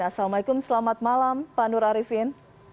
assalamualaikum selamat malam pak nur arifin